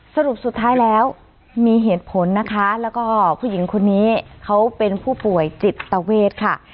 สรุปสุดท้ายแล้วมีเหตุผลนะคะแล้วก็ผู้หญิงคนนี้เขาเป็นผู้ป่วยจิตเวทค่ะ